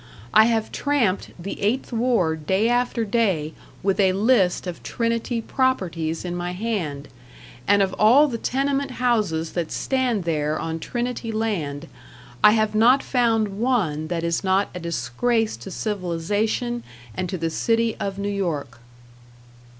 I have tramped the Eighth Ward day after day with a list of Trinity properties in my hand, and of all the tenement houses that stand there on Trinity land, I have not found one that is not a disgrace to civilization and to the City of New York.